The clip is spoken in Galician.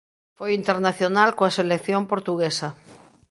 Foi internacional coa selección portuguesa.